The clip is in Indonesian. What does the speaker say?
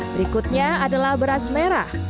berikutnya adalah beras merah